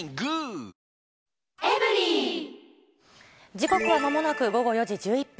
時刻はまもなく午後４時１１分。